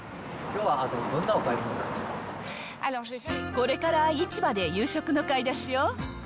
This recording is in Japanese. これから市場で夕食の買い出しよ。